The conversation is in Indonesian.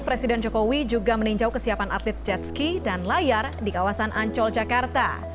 presiden jokowi juga meninjau kesiapan atlet jet ski dan layar di kawasan ancol jakarta